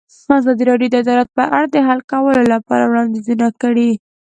ازادي راډیو د عدالت په اړه د حل کولو لپاره وړاندیزونه کړي.